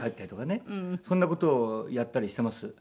そんな事をやったりしてます。